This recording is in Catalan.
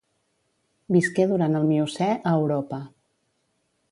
Visqué durant el Miocè a Europa.